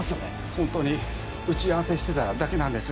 本当に打ち合わせしてただけなんです。